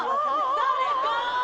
誰か！